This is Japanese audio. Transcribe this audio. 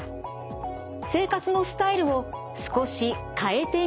生活のスタイルを少し変えてみることです。